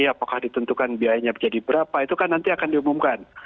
apakah ditentukan biayanya menjadi berapa itu kan nanti akan diumumkan